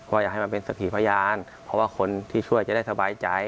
อยากให้มันเป็นสักขีพยานเพราะว่าคนที่ช่วยจะได้สบายใจ